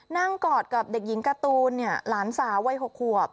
นั่งกอดกับเด็กหญิงการ์ตูนหลานสาววัยหก